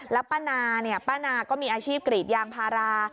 แล้วป้านาป้านาก็มีอาชีพกรีดยางพารา